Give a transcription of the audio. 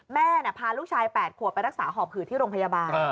แม่น่ะพาลูกชาย๘ขัวไปรักษาห่อผืดที่โรงพยาบาล